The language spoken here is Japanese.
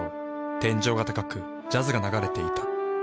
天井が高くジャズが流れていた。